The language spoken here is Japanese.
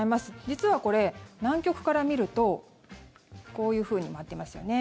実はこれ、南極から見るとこういうふうに回っていますよね